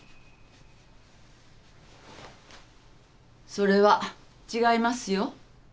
それは違いますよ。